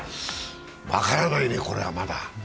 分からないね、これはまだ。